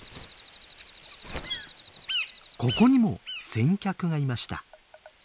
ここにも先客がいました！